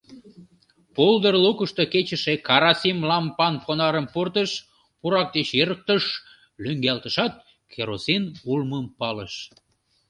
Пулдыр лукышто кечыше карасим лампан понарым пуртыш, пурак деч эрыктыш, лӱҥгалтышат, керосин улмым палыш.